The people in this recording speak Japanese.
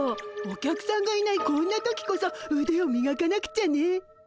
お客さんがいないこんな時こそうでをみがかなくちゃね。